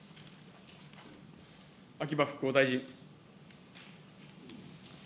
秋葉復興大臣。